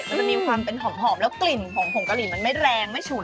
มันจะมีความเป็นหอมแล้วกลิ่นของผงกะหรี่มันไม่แรงไม่ฉุน